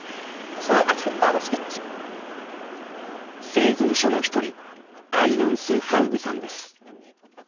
生存者の１人、アイナンスハウグさんです。